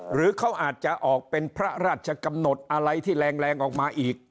หรือเขาอาจจะออกเป็นพระราชกำหนดอะไรที่แรงออกมาอีก